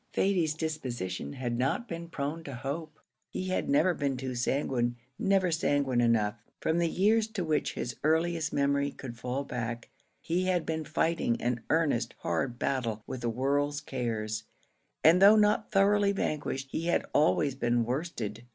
Thady's disposition had not been prone to hope; he had never been too sanguine never sanguine enough. From the years to which his earliest memory could fall back, he had been fighting an earnest, hard battle with the world's cares, and though not thoroughly vanquished, he had always been worsted.